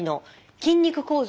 筋肉構造。